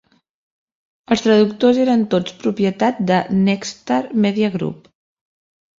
Els traductors eren tots propietat de Nexstar Media Group.